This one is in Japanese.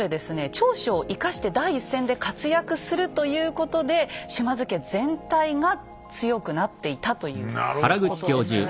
長所を生かして第一線で活躍するということで島津家全体が強くなっていたということですね。